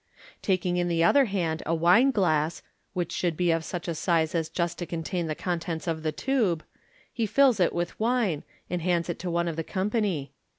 Taking in the other hand a wine glass (which should be o\ such a size as just to contain the contents of the tube), he fills it with wine, and hands it to one of the company.